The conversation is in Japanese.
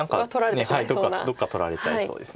何かどっか取られちゃいそうです。